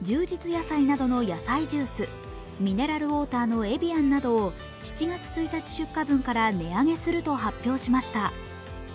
野菜などの野菜ジュース、ミネラルウォーターのエビアンなどを７月１日出荷分から値上げすると発表しました。